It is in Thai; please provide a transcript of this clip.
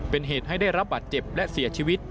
เป็นเหตุให้ได้รับบาดเจ็บและเสียชีวิต